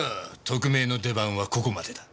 特命の出番はここまでだ。